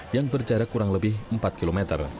yang berjarak kurang lebih empat km